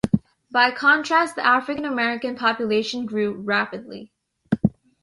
By contrast, the African American population grew rapidly.